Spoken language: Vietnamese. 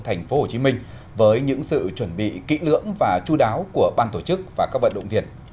thành phố hồ chí minh với những sự chuẩn bị kỹ lưỡng và chú đáo của ban tổ chức và các vận động viện